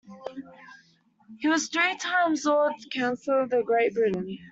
He was three times Lord Chancellor of Great Britain.